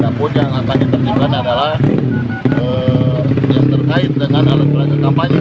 ada pun yang akan ditertibkan adalah yang terkait dengan alat peraga kampanye